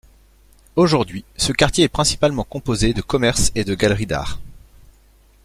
Aujourd'hui, ce quartier est principalement composé de commerces et de galeries d'arts.